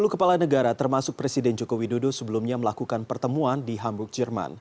sepuluh kepala negara termasuk presiden joko widodo sebelumnya melakukan pertemuan di hamburg jerman